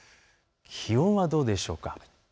気温はどうでしょうか。